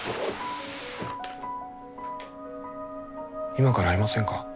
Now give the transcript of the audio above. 今から会いませんか？